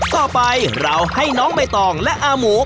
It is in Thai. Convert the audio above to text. ต่อไปเราให้น้องใบตองและอาหมู